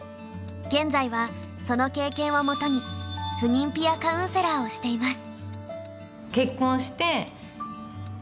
現在はその経験をもとに不妊ピア・カウンセラーをしています。